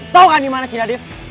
tau kan dimana si nadif